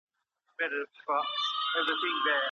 که بوديجه نه وي مرييان به څنګه ازاد سي؟